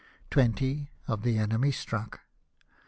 Twenty of the enemy struck.